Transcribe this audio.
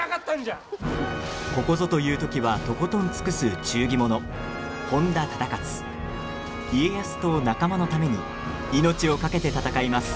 ここぞという時はとことん尽くす忠義者、本多忠勝家康と仲間のために命を懸けて戦います。